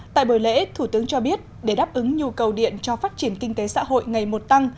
tại buổi lễ thủ tướng cho biết để đáp ứng nhu cầu điện cho phát triển kinh tế xã hội ngày một tăng